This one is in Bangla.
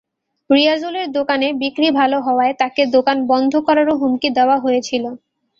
রিয়াজুলের দোকানে বিক্রি ভালো হওয়ায় তাঁকে দোকান বন্ধ করারও হুমকি দেওয়া হয়েছিল।